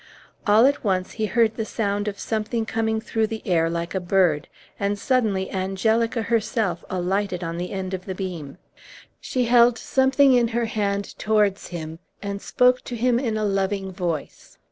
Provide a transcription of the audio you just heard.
All at once he heard the sound of something coming through the air like a bird, and suddenly Angelica herself alighted on the end of the beam. She held something in her hand towards him, and spoke to him in a loving voice.